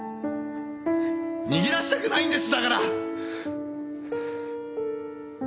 逃げ出したくないんですだから！